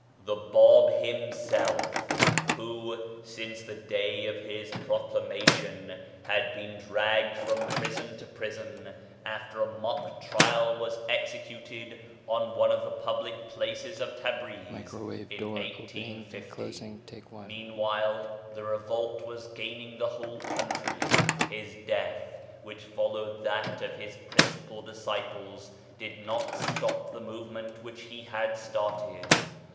The Bab himself, who, since the day of his 40 BAHAISM proclamation, had been dragged from prison to prison, after a mock trial was executed on one of the public places of Tabriz in 1850. . Meanwhile the revolt was gaining the whole country. His death, which followed that of his principal dis ciples, did not stop the movement which he had started.